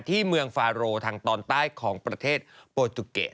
ที่เมืองฟาโรทางตอนใต้ของประเทศโปจุเกะ